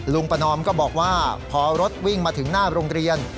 ประนอมก็บอกว่าพอรถวิ่งมาถึงหน้าโรงเรียน